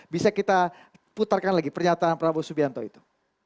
bisa kita putarkan lagi pernyataan prabowo subianto itu